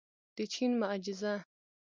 د چین معجزه.